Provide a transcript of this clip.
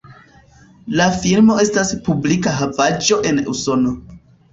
La filmo estas publika havaĵo en Usono.